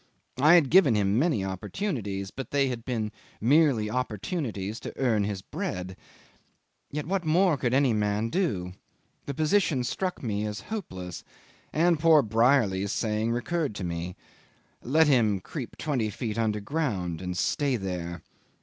I had given him many opportunities, but they had been merely opportunities to earn his bread. Yet what more could any man do? The position struck me as hopeless, and poor Brierly's saying recurred to me, "Let him creep twenty feet underground and stay there."